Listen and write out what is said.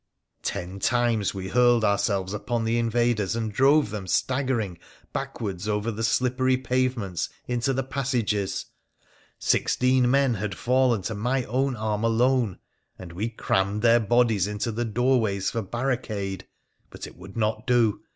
Ten times we hurled ourselves upon the invaders and drove them staggering backwards over the slippery pavements into the passages — sixteen men had fallen to my own arm alone, and we crammed their bodies into the doorways for barricade. But it would not do.